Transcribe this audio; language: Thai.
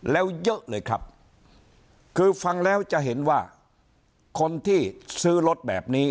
แล้วเยอะเลยครับคือฟังแล้วจะเห็นว่าคนที่ซื้อรถแบบนี้